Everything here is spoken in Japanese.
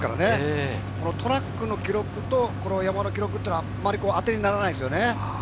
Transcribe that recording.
トラックの記録と山の記録はあまりあてにならないですよね。